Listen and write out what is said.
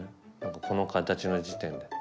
この形の時点で。